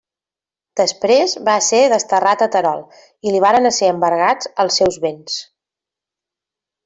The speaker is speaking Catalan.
Després va esser desterrat a Terol i li varen esser embargats els seus béns.